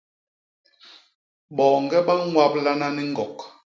Boñge ba ñwablana ni ñgok.